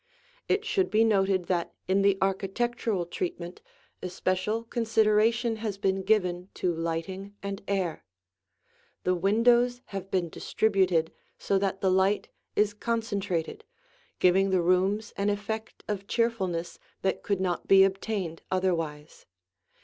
It should be noted that in the architectural treatment, especial consideration has been given to lighting and air; the windows have been distributed so that the light is concentrated, giving the rooms an effect of cheerfulness that could not be obtained otherwise.